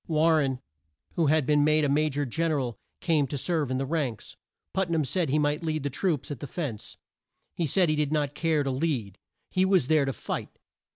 War ren, who had been made a Ma jor Gen er al, came to serve in the ranks. Put nam said he might lead the troops at the fence. He said he did not care to lead; he was there to fight.